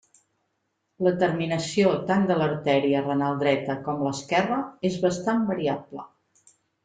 La terminació tant de l'artèria renal dreta com l'esquerra és bastant variable.